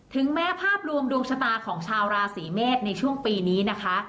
แม้ภาพรวมดวงชะตาของชาวราศีเมษในช่วงปีนี้นะคะ